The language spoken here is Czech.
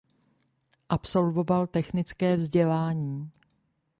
Absolvoval technické vzdělání.